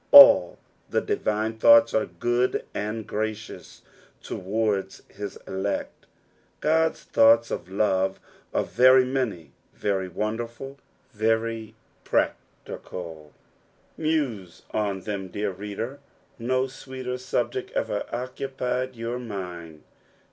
All the divine thoughts are good and gracious towards his elect. God's thoughts of love are very many, very wonderful, very practical 1 Muse on them, dear reader ; no sweeter subject ever occupied your mind.